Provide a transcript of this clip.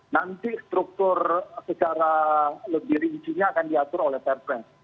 nanti struktur secara lebih rinci nya akan diatur oleh prp